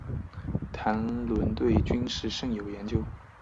谭纶对军事甚有研究。